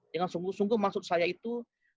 dengan sungguh sungguh maksud saya itu